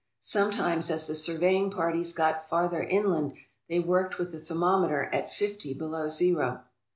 Sometimes as the surveying parties got farther inland they worked with the thermometer at fifty below zero.